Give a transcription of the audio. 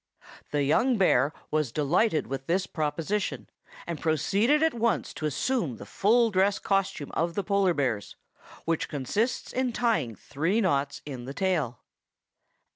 The young bear was delighted with this proposition, and proceeded at once to assume the full dress costume of the polar bears, which consists in tying three knots in the tail.